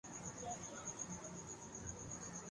اب ختم ہوگیا۔